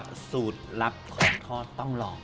สูตรลับของทอดต้องลอง